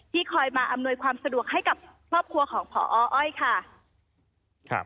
คอยมาอำนวยความสะดวกให้กับครอบครัวของพออ้อยค่ะ